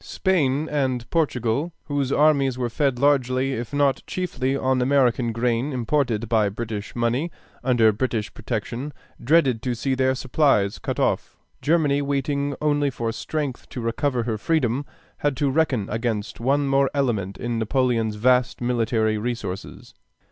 Spain and Portugal, whose armies were fed largely if not chiefly on American grain imported by British money under British protection, dreaded to see their supplies cut off. Germany, waiting only for strength to recover her freedom, had to reckon against one more element in Napoleon's vast military resources.